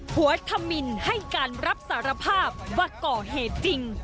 หัวธมินให้การรับสารภาพว่าก่อเหตุจริง